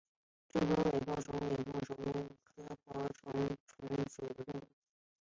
中华尾孢虫为尾孢科尾孢虫属的动物。